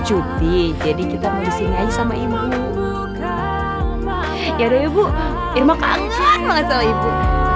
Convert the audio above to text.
cuti jadi kita mau disini sama ibu ya udah ibu irma kangen masalah ibu